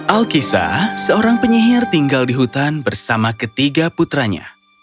alkisah seorang penyihir tinggal di hutan bersama ketiga putranya